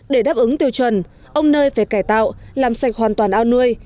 để đáp ứng tiêu chuẩn ông nơi phải cải tạo làm sạch hoàn toàn ao nuôi